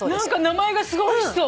名前がすごいおいしそう。